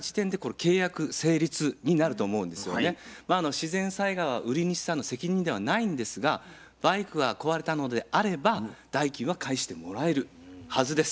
自然災害は売り主さんの責任ではないんですがバイクが壊れたのであれば代金は返してもらえるはずです。